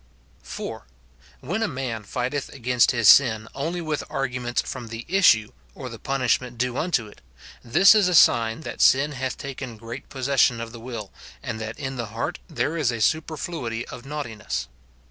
* James i. 14, 15. SIN IN BELIEVERS. 227 4. When a man figliteth against his sin only with arguments from the issue or the punishment due unto it, this is a sign that sin hath taken great possession of the will, and that in the heart there is a superfluity of naughti ness.